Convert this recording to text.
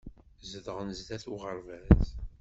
Zedɣen sdat uɣerbaz.